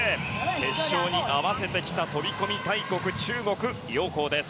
決勝に合わせてきた飛込大国中国のヨウ・コウです。